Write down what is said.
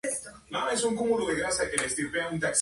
Sus mareas son de tan escasa amplitud que pasan desapercibidas.